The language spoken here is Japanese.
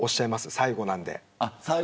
最後なので。